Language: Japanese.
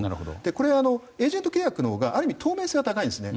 これはエージェント契約のほうがある意味、透明性は高いんですね。